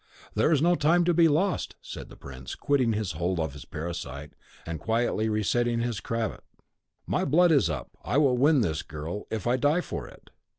"There is no time to be lost," said the prince, quitting his hold of his parasite, who quietly resettled his cravat. "My blood is up, I will win this girl, if I die for it!